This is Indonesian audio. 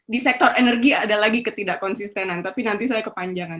di sektor energi ada lagi ketidak konsistenan tapi nanti saya kepanjangan